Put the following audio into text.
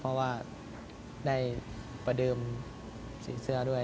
เพราะว่าได้ประเดิมสีเสื้อด้วย